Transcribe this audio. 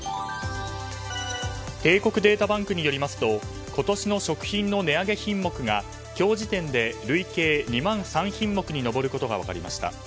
帝国データバンクによりますと今年の食品の値上げ品目が今日時点で、累計２万３品目に上ることが分かりました。